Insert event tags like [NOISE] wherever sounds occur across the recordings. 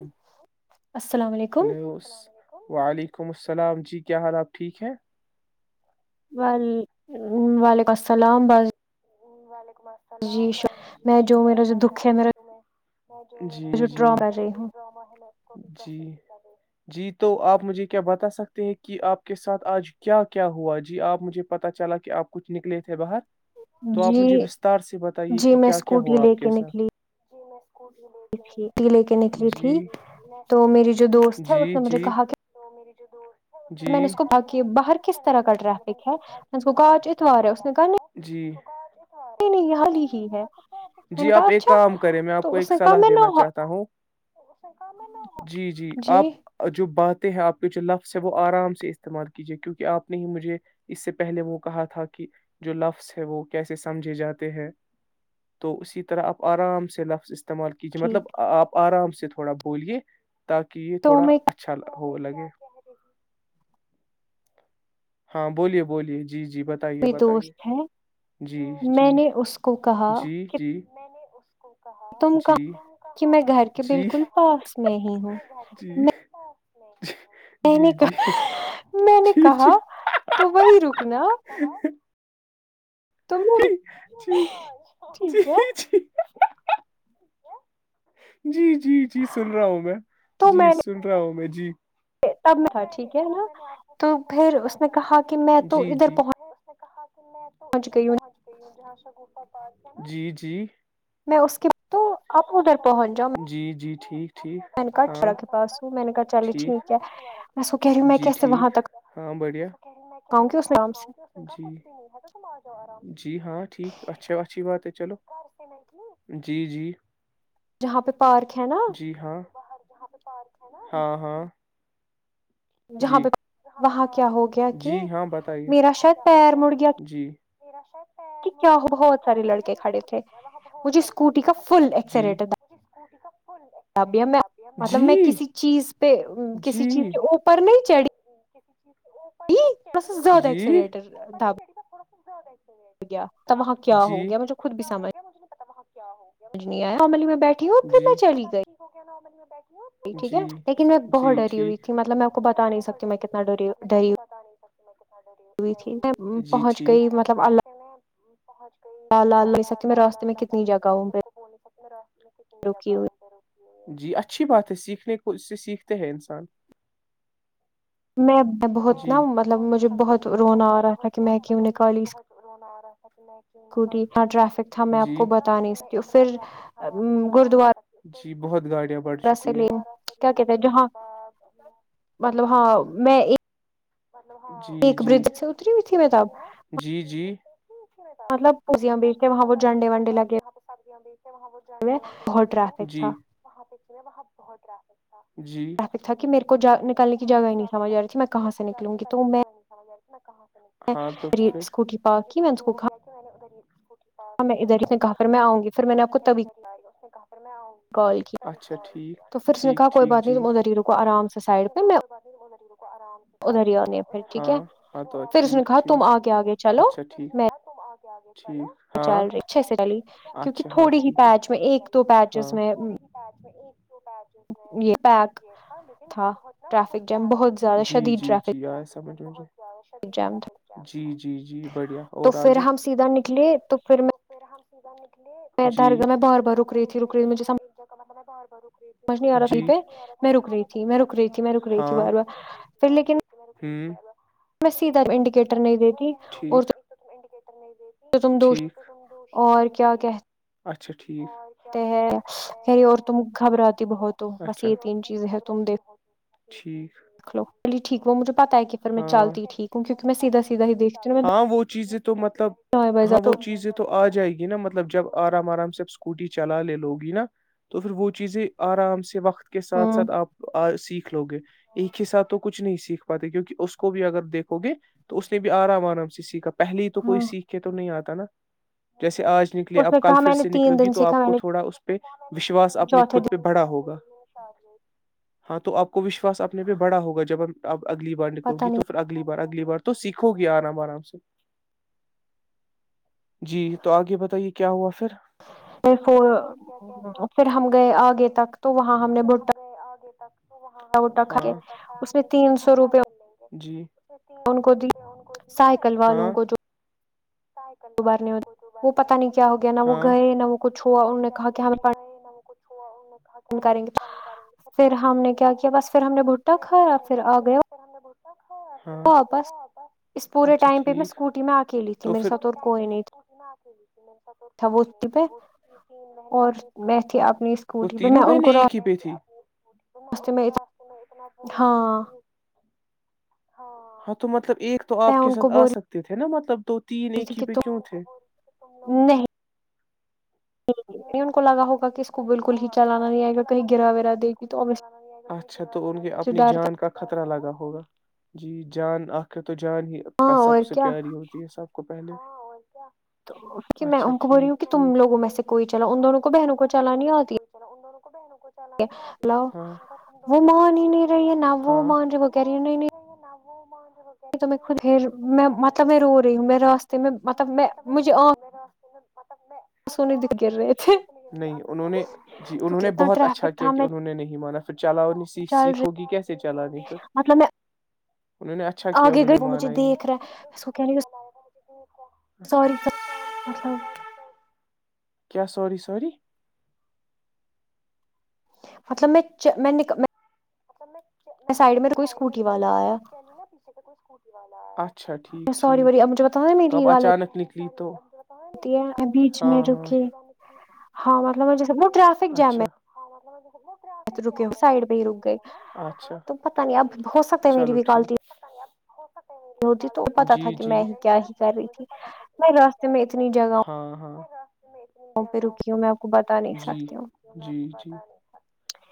[UNINTELLIGIBLE] وعلیکم السلام جی کیا حال آپ ٹھیک ہیں و وعلیکم السلام [UNINTELLIGIBLE] سلام جی شکر اللہ تال جی جیا جی جی تو آپ مجھے کیا بتا سکتے ہیں کہ آپ کے ساتھ آج کیا کیا ہوا جی آپ مجھے پتا چلا کہ آپ کچھ نکلے تھے باہر تو آپ مجھے وستار سے بتائیے کہ کیا کیا ہوا آپ کے ساتھ جی جی جی [INAUDIBLE] [UNINTELLIGIBLE] جی آپ ایک کام کریں میں آپ کو ایک سلاح دینا چاہتا ہوں جی جی آپ جو بات ہیں آپ کے جو لفظ ہے وہ آرام سے استعمال کیجیے کیونکہ آپ نے ہی مجھے اس سے پہلے وہ کہا تھا کہ جو لفظ ہے وہ کیسے سمجھے جاتے ہیں تو اسی طرح آپ آرام سے لفظ استعمال کیجیے مطلب آپ آرام سے تھوڑا بولیے تاکہ یہ تھوڑا اچھا ل ہو لگے [UNINTELLIGIBLE] ہاں بولیے بولیے جی جی بتائیے بتائیے جی جی جی جی تم کہ کہ میں گھر کے بالکل پاس میں ہی ہوں میں میں نے کہ میں نے کہا تو وہی رکنا [INAUDIBLE] ج ج جی ج جی جی جی جی سن رہا ہوں میں جی سن رہا ہوں میں جی تب میں ٹھیک ہے نا تو پھر اس نے کہا کہ میں تو ادھر پہنچ میں تو ادھر پہنچ گئی ہوں جہاں شا گا جی جی میں اس کےع تو اپ ادھر پہنچ جاؤ نے کہارا کے پاس ہوں میں نے کہا چل ٹھیک ہے میںسو کہہ رہی ہوں میں کیسے وہاں تک گاؤں گی اس نام سے جی ہاں ٹھیک اچھا اچھی بات ہے چلو جی جی جہاں پہ پارک ہے نا ہاں ہاں جہاں وہاں کیا ہو گیا کہ میرا شاید پیر مڑ گیا تیراشت پیر م گیا کیا ہو گیا مجھ بہت سارے لڑکے کھے تھے جک کا ف ج جی پن چ ب سس زیادہ اییکسلٹر دب رہ ہو گیا ت وہاں کیا ہو گیا مجھے خود بھی سمجھ مجھ نہیں آیا عملی میں بیٹھی ہوں پھر میں چلی گئی ٹھیک ہے لیکن میں بہت ڈری ہوئی تھی مطلب میں میں بہت ڈری ہوئی مطلب میں کو بتا نہیں سکتی کتنا ڈری ڈری جی ٹھیک سے پہنچ گئی مطلب اللہ اللہ اللہ اللہ تاری بول سیا گاؤں جی اچھی بات ہے سیکھنے کو اس سے سیکھتے ہیں انسان میں بہت نا مطلب مجھے بہت رونا آ رہا تھا کہ میں کیوں نکالی اسکوٹی ٹریفک تھا میں آپ کو بت نہیں اس کی پھر گردوارہ ج بہت گاڑی رسلین کیا کہتے ہیں جہاں؟ مطلب ہاں میں ایک ایک برج سے اتری ہوئی تھی میں تب چے تب مطلب پورا ایک جگہ جہاں پہ سبزیاں بیچے وہاں جنڈے ونڈے لگے ہوئے وہاں پہچ وہاں بہت را ٹفک تھا کہ میرے کو نکالنے کی جگہ ہی نہیں سمجھ آ رہی تھی میں کہاں سے نکلوں گی تو میں اسکوٹی پار کی میں اس کو کھا ہاں میں ادھرف نے کہا پھر میں آؤں گی پھر میں نے آپ کو تبھی کال کیا تو پھر اس نے کہا کوئی بات نہیں ت ادریروں کو آرام سے ہاں ہاں تو ٹھیک ٹھیک اچھا ٹھیک چل رہی اچھے سے چلی کیونکہ تھوڑی ہی پیچ میں ایک دو پیچز میں تو بیچ میں یہ تھا لیکن جی جی جی آس سب جی جی جی بڑھیا اور آ گے [UNINTELLIGIBLE] درگاہ میں رک رہی ہوں ایک جگہ میں بار بار رک رہی رک رہا تھا نا یہاں میں کہیں رک رہی تھی میں رک رہی تھی بار بار پھر لیکن ہوں لیکن میں سیدھا چ تو ت انڈیکیٹر نہیںتی تم دو شیشے نہیں د اچھ ہے خری اور تم گھبراتی بہت ہو بس یہ تین چیزیں ہے تم دیکھ ٹھیک ہاں ہاں وہ چیزیں تو مطلب ہاں وہ چیزیں تو آ جائے گی نا مطلب جب آرام آرام سے اسکوٹی چلا لے لو گی نا تو پھر وہ چیزیں آرام سے وقت کے ساتھ ساتھ آپ سیکھ لو گے ایک ہی ساتھ تو کچھ نہیں سیکھ پاتے کیونکہ اس کو بھی اگر دیکھو گے تو اس نے بھی آرام آرام سے سیکھا پہل تو کوئی سیکھتے تو نہیں آتا [UNINTELLIGIBLE] جیسے آج نکلے اب کل پھر سے نکلے گی تو آپ کو تھوڑا اس ا [UNINTELLIGIBLE] وشواس اپنے خود پہ بڑا ہوگا ج شاری ہاں تو آپ کو وشواس اپنے پہ بڑا ہوگا جب ہم آپ اگلی بار نکلو گی تو پھر اگلی بار اگلی بار تو سیکھو گی آرام آرام سے جی تو آگے بتائیے کیا ہوا پھر پ پھر ہم گئے آگے تک تو وہاں ہم نے بھٹا [UNINTELLIGIBLE] وا کھاے اس میں تین سو روپئے ان کو سائیکل والوں کو جوبار وہ پتا نہیں کیا ہو گیا نہ وہ گئے نہ وہ کچھ ہوا انوں نے کہا کہ ہمیں [UNINTELLIGIBLE] [UNINTELLIGIBLE] پھر ہم نے کیا کیا بس پھر ہم نے بھٹا کھایا پھر آ گئے [INAUDIBLE] [UNINTELLIGIBLE] [UNINTELLIGIBLE] [UNINTELLIGIBLE] مطلب ایک تو آپ کے ساتھ آ سکتے تھے نا مطلب تو تین ایک ہی پہ کیوں تھے اگا بکا اچھا تو ان کے اپنی جان کا خطرہ لگا ہوگا جی جان آت تو جان ہی ب سب سے پیاری ہوتی ہے سب کو [UNINTELLIGIBLE] تو کیہ میں ان کو بول رہی ہوں کہ تم لوگوں میں سے کوئی چلو ان دونوں کو بہنوں کو چلانی آتی ہے انوں ر کو دین [UNINTELLIGIBLE] نہیں تو میں خود ہی میں مطلب میں رو رہی ہوں میں راستے میں مطلب میں مجھے آ [UNINTELLIGIBLE] نہیں انہوں نے جی انہوں نے بہت اچھا کیا کہ انہوں نے نہیں مانا پھر چلاؤ نہیں سیکھو گی کیسے چلانی پھر انہوں نے اچھا کیا انہوں نے مانا ہی نہیں کیا سی سی مطلب میں میں ن [UNINTELLIGIBLE] ک تچھ والا اچھا ٹھیک ٹھیک تو اب اچانک نک ریتو ہوتی ہے بیچ میں رکے ہاں مطلبیس وہ ٹریافک جیم ہے رکے ہو سائڈ پ ہی رک گئے تو پتا نہیں اب ہو سکتا ہے میری بھی کالٹی ت تو پتا تھا کہ میں ہی کیا ہی کر رہی تھی میں راستے میں اتنی جگہ ہوں جی جی جی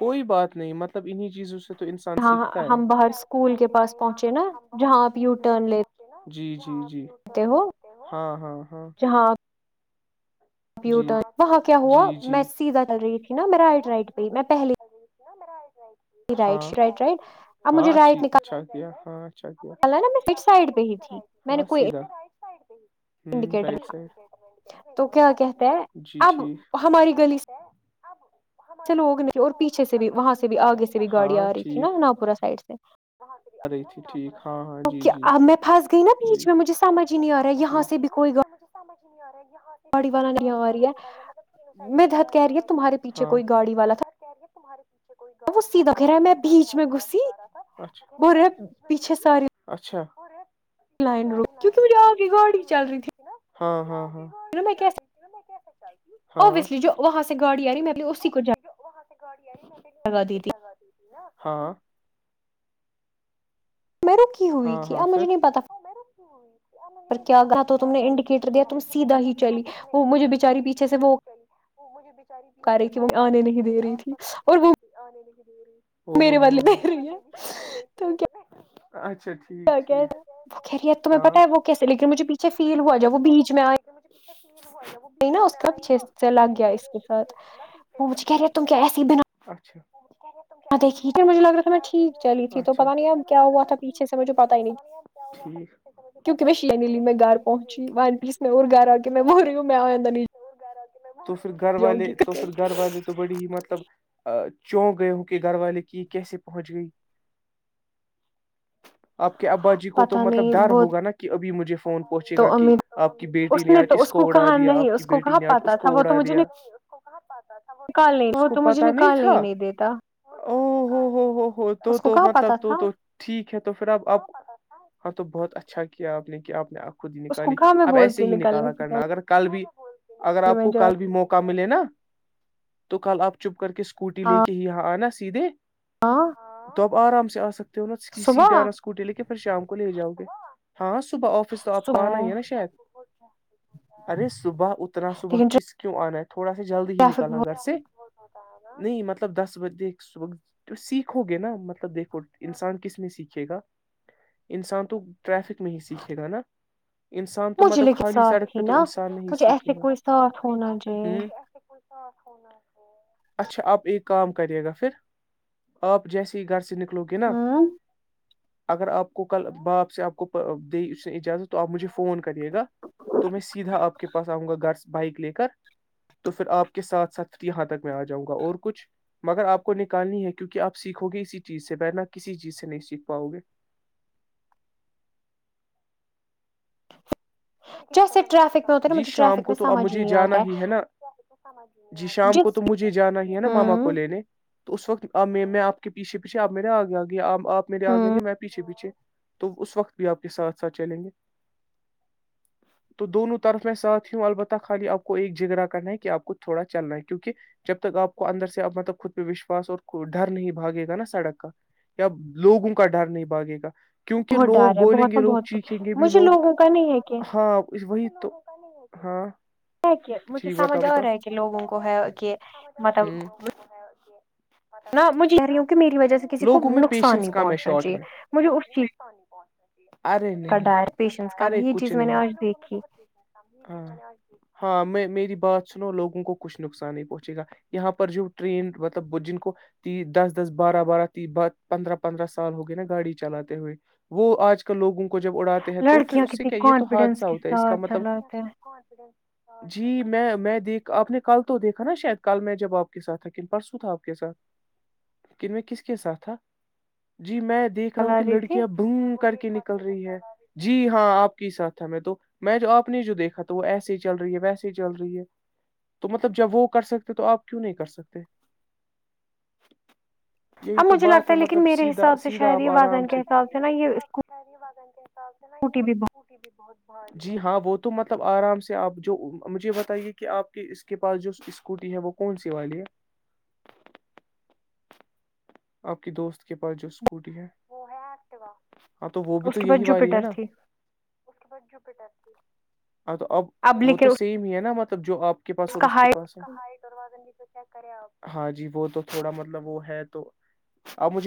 کوئی بات نہیں ملب تب انہیں چیزوں سے جاں ہم باہر اسکول کے پاس پہنچے نا جہاں آپ یو ٹرن ل جی جی جی جی ہاں ہاں ہاں پیر وہاں کیا ہوا میں سیدھا چل رہی تھی نا میں رائٹ رائٹ پہ ہی میں پہلے ج رائٹ رائٹ رائٹ اپ مجھے رائٹ نکال ہاں والال نا میں فٹ سائڈ پہ ہی تھی میں نے کوئی ہ رائٹ سائڈ کہتے ہیں اب ہماری گلی لوگ اور پیچھے سے بھی وہاں سے بھی آگے سے بھی گاڑی آ رہی تھی نا انا پورہ سائڈ سےک اب میں پھنس گئی نا پیچھ میں مجھے سمجھ ہی نہیں آ رہا یہاں سے بھی کوئی گ نہیں ہو رہے گیا کوئی گاڑی والا نکل رہا ہے مطلب تینوں سائڈ گاڑیاں آ رہی گھر کہہ رہی تمہارے پیچھے کوئی گاڑی والا تھا وہ سیدھا تمہارے پاس ہی آ رہا تھا شکر بیچ گ اچھا اچھے ساری لائن رک گئی تھی تو تم میں رکی ہوئی تھی نا ہاں ہاں ہاں کیسے ابویسلی جو وہاں سے گاڑی آ رہی مطب اسی کو جا گ دی تھی ہاں میں رکی ہوئی تھی اب مجھے نہیں پتا کیا کہا تو تم نے انڈیکیٹر دیا تم سیدھا ہی چلی وہ مجھے بچاری پیچھے سے وہ وہ مجے چاری پیچے سےے وہ اگا رہیھی وہ میرے آس پاس دکھ آنے نہیں ب بےشیش د اچھا اچھگھ ہ دیکھیھے مجھے لگ رہا تھا میں ٹھیک چلی تھی تو پتا نہیں اب کیا ہوا تھا اچھے سے مجھے پتا ہی نہیں کیونکہ میں شی ن لی میں گھر پہنچی ون پلیس میں اور گھر آ کے میں وہ رہی ہوں میں آئدہ نہیں میں تو پھر گھر والے تو پھر گھر والے تو بڑی ہی مطلب چوں گئے ہوں کہ گھر والے کی کیسے پہنچ گئی آپ کے ابا جی کو تو مطلب ڈر ہوگا نا کہ ابھی مجھے فون پہنچے گا کہ آپ کی بیٹی نے آج اس کو اڑا دیا آپ کی بیٹی نے آج اس کو اڑا دیا اس کو پتا نہیں تھا او ہو ہو ہو ہو تو تو مطلب تو تو ٹھیک ہے تو پھر اب آپ ہاں تو بہت اچھا کیا کیا آپ نے کیا آپ نے خود ہی نکالی اب ایسے ہی نکالا کرنا اگر کل بھی اگر آپ کو کل بھی موقع ملے نا تو کل آپ چپ کر کے اسکوٹی لے کے ہی یہاں آنا سیدھے ہاں اورام سے آک ت ک سیدھے اور اسکوٹی لے کہ پھر شام کو لے جؤ گے ہاں صبح آفس تو آپ کو آنا ہی ہے نا شاید ارے صبح اتنا صبح کس کیوں آنا ہے تھوڑا سا جلدی ہی نکلنا گھر سے نہیں مطلب دس بجے صبح سیکھو گے نا مطلب دیکھو انسان کس میں سیکھے گا انسان تو ٹریفک میں ہی سیکھے گا نا مجھے لیکن ساتھ تھی نا مجھے ایسے کوئی ساتھ ہونا چاہ اچھا آپ ایک کام کریے گا پھر آپ جیسے ہی گھر سے نک لوگے نا اگر آپ کو کل باپ سے آپ کو د اس نے اجازت تو آپ مجھے فون کریے گا تو میں سیدھا آپ کے پاس آؤں گا گھر سے بائک لے کر تو پھر آپ کے ساتھ ساتھ یہاں تک میں آ جاؤں گا اور کچھ مگر آپ کو نکالنی ہے کیونکہ آپ سیکھو گے اسی چیز سے بنا کسی چیز سے کت نہیں سییک پاؤ گے جی شام کو تو اب مجھے جانا ہی ہے نا جی شام کو تو مجھے جانا ہی ہے نا ماما کو لینے تو اس وقت میں آپ کے پیچھے پیھ آپ میرے آگے آ گیا آپ میرے آگے کہ میں پیچھے پیچھے تو اس وقت بھی آپ کے ساتھ ساتھ چلیں گے تو دونوں طرف میں ساتھ ہوں البتہ خالی آپ کو ایک جگرا کرنا ہے کہ آپ کو تھوڑا چلنا ہے کیونکہ جب تک آپ کو اندر سے مطلب خود پہ وشوس اور ڈر نہیں بھگے گا نا سڑک کا یا لوگوں کا ڈر نہیں بھاگے گا بہت ڈر ہے بہت ن بہت مجھے لوگوں کا نہیں ہاں وہی تو [UNINTELLIGIBLE] ہاں [UNINTELLIGIBLE] کہ مجھے سمجھ اور رہا ہے کہ لوگوں کو ہے کہ مطلب نہ مجھے کہہ رہی ہوں کہ میری وجہ سے کسی کو نقصان نہیں پہنچنا چاہیے مجھے اس چیز کا ڈائر پیشنس کام ہے یہ چیز میں نے آج دیکھی ہاں میں میری بات سنو لوگوں کو کچھ نقصان نہیں پہنچے گا یہاں پر جو ٹرین مطلب جن کو دس دس بارہ بارہ پندرہ پندرہ سال ہو گئے نا گاڑی چلاتے ہوئے وہ آج کل لوگوں کو جب اڑاتے ہیں تو پھر اس سے کانفیڈینس کے ساتھ چلاتے ہیں جی میں میں دیکھ آپ نے کل تو دیکھا نا شاید کل میں جب آپ کے ساتھ تھا کن پرسوں تھا آپ کے ساتھ ل کن میں کس کے ساتھ تھا جی میں دیکھ رہا ہوں کہ لڑکیاں ب کر کے نک ل رہی ہے جی ہاں آپ کی ساتھ تھا میں تو میں جو آپ نے جو دیکھا تھا وہ ایسے ہی چل رہی ہے ویسے چل رہی ہے تو مطلب جب وہ کر سکتے تو آپ کیوں نہیں کر سکتے ہاں مجھے لگتا ہے لیکن میرے حساب سے شاید یہ وادن کے حساب سے نا یہ اسکوٹی بھی بہت جی ہاں وہ تو مطلب آرام سے آپ جو مجھے بتائیے کہ آپ کے اس کے پاس جو اسکوٹی ہے وہ کون سی والی ہے آپ کی دوست کے پاس جو اسکوٹی ہے وہ ہاں تو وہ بھی تو یہی والاری ہے نا اس کے بعد جوپیٹر تھی ہاں تو اب وہ تو سم ہی ہے نا مطلب ب جو آپ کے پس اور اس کے پس دواز ہاں جی وہ تو تھوڑا مطلب وہ ہے تو اب مجھے